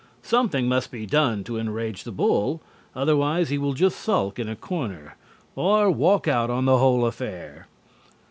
Something must be done to enrage the bull, otherwise he will just sulk in a corner or walk out on the whole affair.